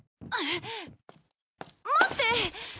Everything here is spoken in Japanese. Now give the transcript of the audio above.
待って！